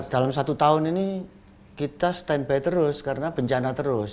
dalam satu tahun ini kita standby terus karena bencana terus